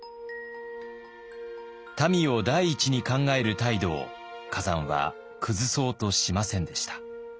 民を第一に考える態度を崋山は崩そうとしませんでした。